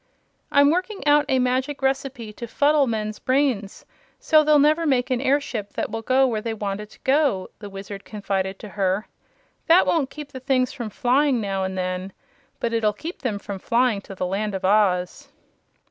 "I'm working out a magic recipe to fuddle men's brains, so they'll never make an airship that will go where they want it to go," the Wizard confided to her. "That won't keep the things from flying, now and then, but it'll keep them from flying to the Land of Oz."